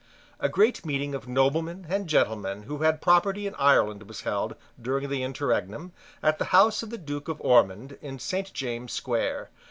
A great meeting of noblemen and gentlemen who had property in Ireland was held, during the interregnum, at the house of the Duke of Ormond in Saint James's Square.